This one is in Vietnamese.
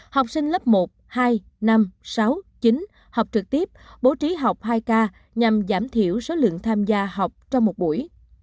học sinh lớp một hai năm sáu chín học trực tiếp bố trí học hai k nhằm giảm thiểu số lượng tham gia học trong một buổi